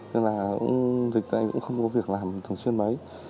tức là dịch này cũng không có việc làm thường xuyên mấy